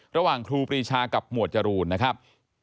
ระหว่างครูปีชากับหมวดจรูนนะครับ